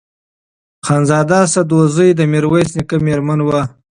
خانزاده سدوزۍ د میرویس نیکه مېرمن وه.